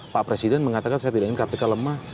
pak presiden mengatakan saya tidak ingin kpk lemah